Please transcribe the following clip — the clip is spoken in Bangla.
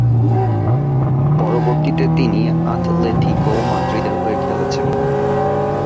পরবর্তীতে তিনি আতলেতিকো মাদ্রিদের হয়ে খেলেছেন।